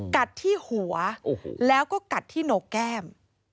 กัดที่หัวแล้วก็กัดที่โหนกแก้ม